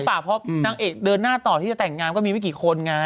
เปล่าเพราะนางเอกเดินหน้าต่อที่จะแต่งงานก็มีไม่กี่คนไง